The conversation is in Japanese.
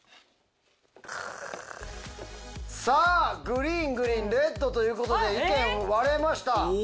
さあグリーングリーンレッドということで意見割れました。